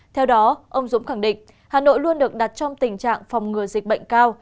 theo đó ông dũng khẳng định hà nội luôn được đặt trong tình trạng phòng ngừa dịch bệnh cao